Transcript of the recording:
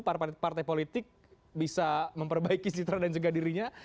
partai partai politik bisa memperbaiki citra dan juga dirinya